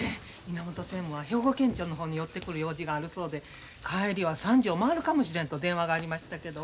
稲本専務は兵庫県庁の方に寄ってくる用事があるそうで帰りは３時を回るかもしれんと電話がありましたけど。